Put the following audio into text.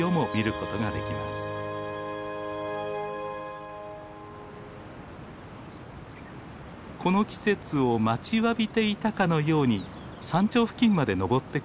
この季節を待ちわびていたかのように山頂付近まで登ってくる生き物がいます。